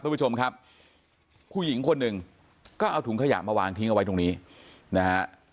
คุณผู้ชมครับผู้หญิงคนหนึ่งก็เอาถุงขยะมาวางทิ้งเอาไว้ตรงนี้นะฮะ